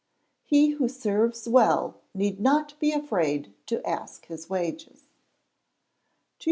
[HE WHO SERVES WELL NEED NOT BE AFRAID TO ASK HIS WAGES.] 2533.